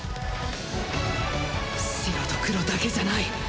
白と黒だけじゃない。